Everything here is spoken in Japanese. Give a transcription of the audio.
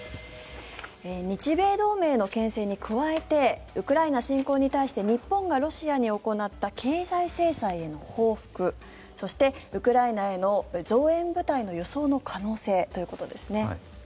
日米同盟へのけん制に加えてウクライナ侵攻に対して日本がロシアに行った経済制裁への報復そして、ウクライナへの増援部隊の輸送の可能性ということですね。